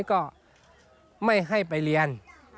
ก็ไม่ให้ไปเรียน